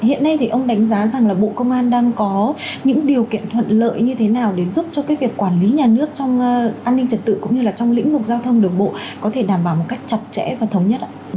hiện nay thì ông đánh giá rằng là bộ công an đang có những điều kiện thuận lợi như thế nào để giúp cho cái việc quản lý nhà nước trong an ninh trật tự cũng như là trong lĩnh vực giao thông đường bộ có thể đảm bảo một cách chặt chẽ và thống nhất ạ